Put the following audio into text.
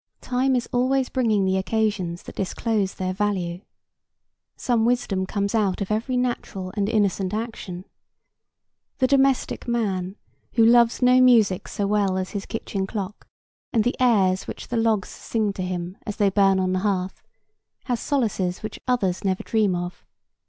Time is always bringing the occasions that disclose their value. Some wisdom comes out of every natural and innocent action. The domestic man, who loves no music so well as his kitchen clock and the airs which the logs sing to him as they burn on the hearth, has solaces which others never dream of.